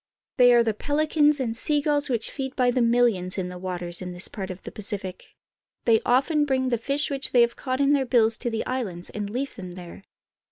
They are the peHcans and sea gulls which feed by the millions in the waters of this part of the Pacific. They often bring the fish they have caught in their bills to the islands and leave them there.